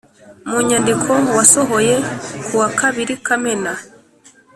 mu nyandiko wasohoye ku wa kabiri kamena